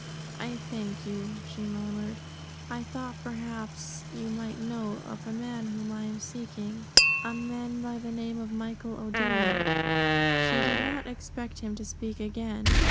"I thank you," she murmured. "I thought perhaps you might know of a man whom I am seeking a man by the name of Michael O'Doone." She did not expect him to speak again.